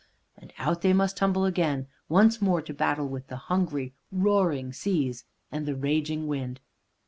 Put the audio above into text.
And out they must tumble again, once more to battle with the hungry, roaring seas and the raging wind.